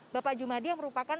bapak jumadi yang merupakan